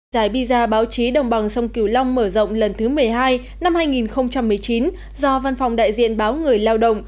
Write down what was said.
giải bizar báo chí đồng bằng sông kiều long mở rộng lần thứ một mươi hai năm hai nghìn một mươi chín do văn phòng đại diện báo người lao động